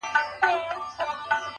جنگ دی سوله نه اكثر,